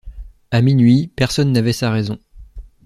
À minuit, personne n’avait sa raison.